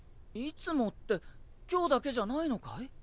いつもって今日だけじゃないのかい？